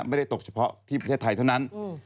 ไม่ได้ตกเฉพาะที่ประเทศไทยเท่านั้น